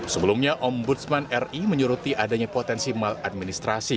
sebelumnya om budsman ri menyeruti adanya potensi maladministrasi